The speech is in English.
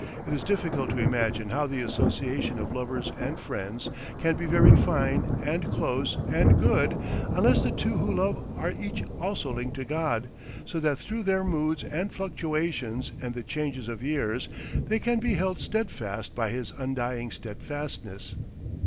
It is difficult to imagine how the association of lovers and friends can be very fine and close and good unless the two who love are each also linked to God, so that through their moods and fluctuations and the changes of years they can be held steadfast by his undying steadfastness.